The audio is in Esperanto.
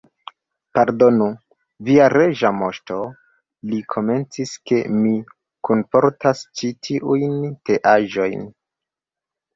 "Pardonu, via Reĝa Moŝto," li komencis, "ke mi kunportas ĉi tiujn teaĵojn.